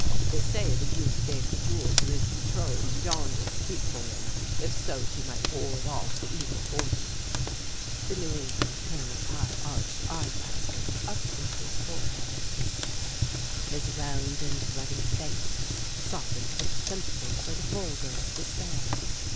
They say the youth gave the jewel to his betrothed yonder to keep for him, if so she might ward off the evil fortune." The New England colonel's high arched eyebrows went up into his forehead at this tale. His round and ruddy face softened with sympathy for the poor girl's despair.